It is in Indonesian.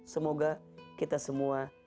semoga kita semua